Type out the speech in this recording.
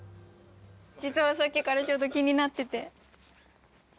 実はさっきからちょっと気になってて。